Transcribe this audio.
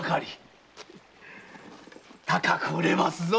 高く売れますぞ。